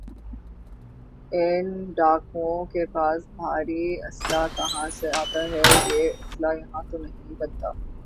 ان ڈاکوؤں کے پاس بھاری اسلحہ کہاں سے آتا ہے یہ اسلحہ یہاں تو نہیں بنتا